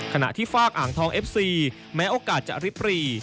ขณะที่ฝากอ่างทองเอฟซีแม้โอกาสจะอริปรี